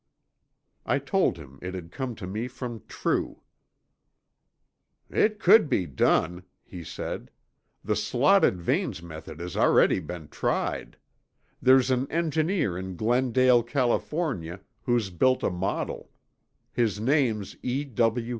I told him it had come to me from True. "It could be done," he said. "The slotted vanes method has already been tried. There's an engineer in Glendale, California, who's built a model. His name's E.